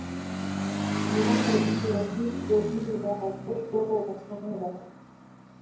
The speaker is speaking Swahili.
viwango vya vifo vya watoto wachanga